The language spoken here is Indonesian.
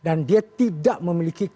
dan dia tidak memiliki